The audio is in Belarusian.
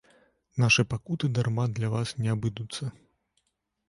Нашы пакуты дарма для вас не абыдуцца.